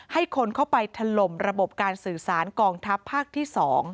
ให้คนเข้าไปถล่มระบบการสื่อสารกองทัพภาคที่๒